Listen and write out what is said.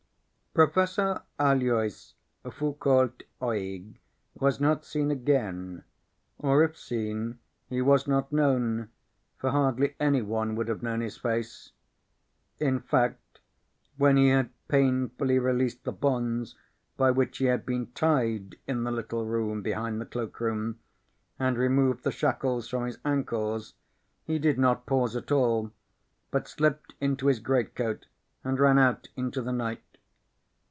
Professor Aloys Foulcault Oeg was not seen again; or, if seen, he was not known, for hardly anyone would have known his face. In fact, when he had painfully released the bonds by which he had been tied in the little room behind the cloak room, and removed the shackles from his ankles, he did not pause at all, but slipped into his greatcoat and ran out into the night.